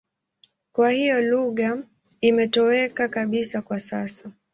Kwa hiyo lugha imetoweka kabisa kwa sasa.